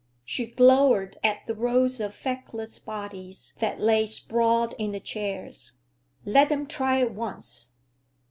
She glowered at the rows of feckless bodies that lay sprawled in the chairs. Let them try it once!